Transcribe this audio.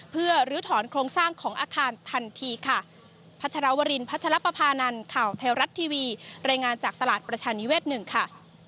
เพื่อลื้อถอนโครงสร้างของอาคารทันทีค่ะ